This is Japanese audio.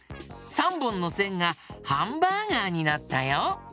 ３ぼんのせんがハンバーガーになったよ。